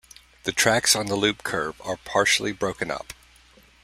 The tracks on the loop curve are partially broken up.